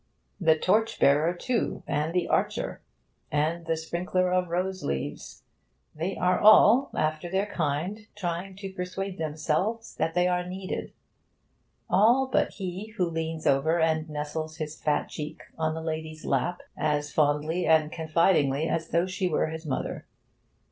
The torch bearer, too, and the archer, and the sprinkler of the rose leaves they are all, after their kind, trying to persuade themselves that they are needed. All but he who leans over and nestles his fat cheek on a lady's lap, as fondly and confidingly as though she were his mother...